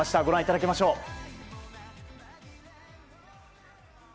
ご覧いただきましょう。